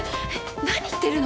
何言ってるの！